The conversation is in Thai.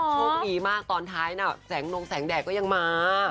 โชคดีมากตอนท้ายน่ะแสงนงแสงแดดก็ยังมา